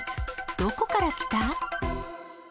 どこから来た？